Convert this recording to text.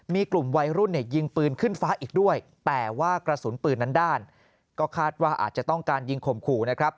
มีกลุ่มวัยรุ่นเนี่ยยิงปืนขึ้นฟ้าอีกด้วยแต่ว่ากระสุนปืนนั้นด้านก็คาดว่าอาจจะต้องการยิงข่มขู่นะครับ